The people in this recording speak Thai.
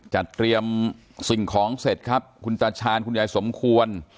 จัดเตรียมสิ่งของเสร็จครับคุณตาชาญคุณยายสมควร